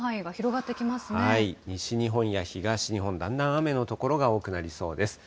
西日本や東日本、だんだん雨の所が多くなりそうです。